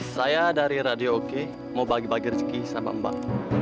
saya dari radioke mau bagi bagi rezeki sama mbak